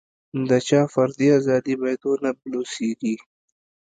د چا فردي ازادي باید ونه بلوسېږي.